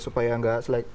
supaya enggak selesai